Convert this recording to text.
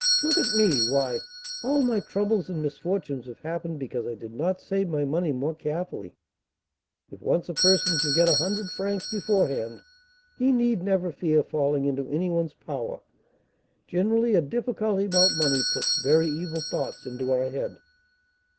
Look at me: why, all my troubles and misfortunes have happened because I did not save my money more carefully. If once a person can get a hundred francs beforehand, he need never fear falling into any one's power; generally, a difficulty about money puts very evil thoughts into our head."